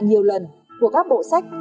nhiều lần của các bộ sách